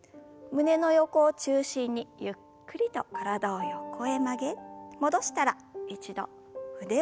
胸の横を中心にゆっくりと体を横へ曲げ戻したら一度腕を振る運動です。